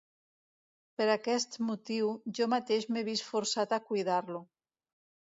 Per aquest motiu, jo mateix m'he vist forçat a cuidar-lo.